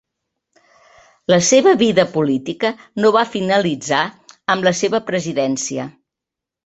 La seva vida política no va finalitzar amb la seva presidència.